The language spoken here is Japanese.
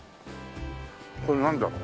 これなんだろう？